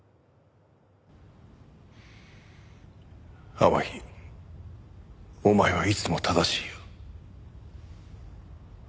天樹お前はいつも正しいよ。